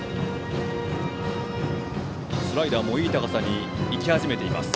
スライダーもいい高さに行き始めています。